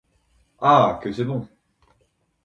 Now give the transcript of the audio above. Ah ! que c’est bon !